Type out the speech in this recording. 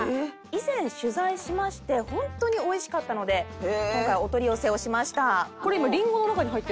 以前取材しまして本当においしかったので今回お取り寄せをしました。